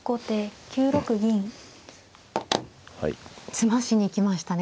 詰ましに行きましたね